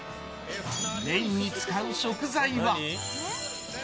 メインに使う食材は。